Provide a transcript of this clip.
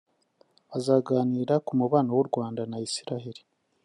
bazaganira ku mubano w’u Rwanda na Isiraheli